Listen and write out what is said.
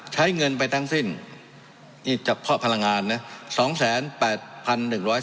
ใช้เงินไปทั้งสิ้นจากข้อพลังงาน